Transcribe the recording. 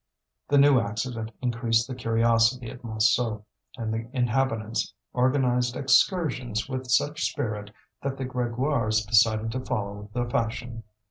The new accident increased the curiosity at Montsou, and the inhabitants organized excursions with such spirit that the Grégoires decided to follow the fashion.